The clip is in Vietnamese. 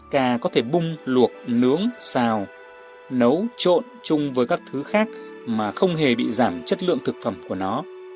cà có thể bung luộc nướng xào nấu trộn chung với các thứ khác mà không hề bị giảm chất lượng thực phẩm của nó